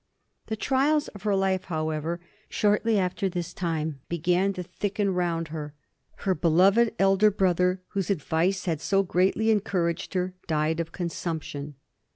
The trials of her life, however, shortly after this time began to thicken round her. Her beloved elder brother, whose advice had so greatly encouraged her, died of consumption.